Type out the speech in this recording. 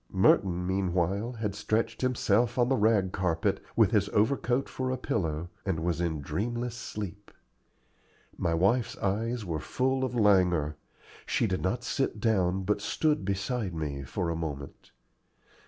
Merton meanwhile had stretched himself on the rag carpet, with his overcoat for a pillow, and was in dreamless sleep. My wife's eyes were full of languor. She did not sit down, but stood beside me for a moment.